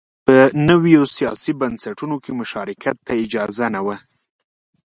په نویو سیاسي بنسټونو کې مشارکت ته اجازه نه وه